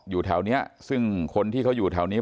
อยู่แถวนี้ซึ่งคนที่เขาอยู่แถวนี้